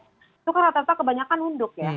itu kan rata rata kebanyakan nunduk ya